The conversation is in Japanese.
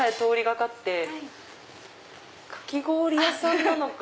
かき氷屋さんなのか。